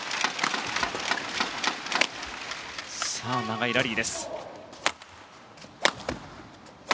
長いラリーです。